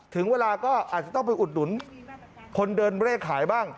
ถึงเวลาก็อาจจะต้องไปอุดหนุนคนเดินเลขขายบ้าง